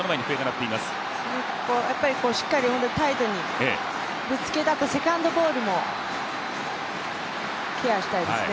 しっかりタイトに、ぶつけたあとセカンドゴールもケアしたいですね。